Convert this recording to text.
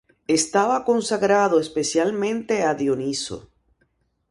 Estaba consagrado especialmente a Dioniso.